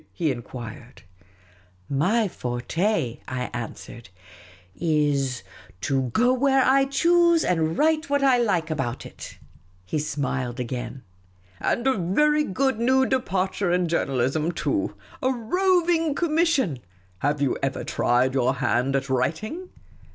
" he enquired. My forte," I answered, " is — to go where I choose, and write what I like about it." • He smiled again. " And a very good new departure in journalism too ! A roving commission ! Have you ever tried your hand at writing